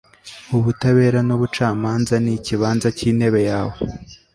ubutabera n'ubucamanza ni ikibanza cy'intebe yawe